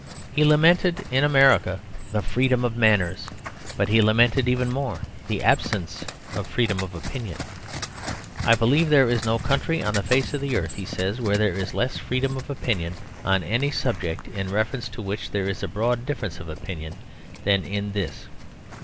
He lamented in America the freedom of manners. But he lamented even more the absence of freedom of opinion. "I believe there is no country on the face of the earth," he says, "where there is less freedom of opinion on any subject in reference to which there is a broad difference of opinion than in this.